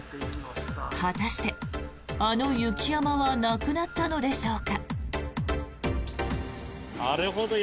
果たして、あの雪山はなくなったのでしょうか。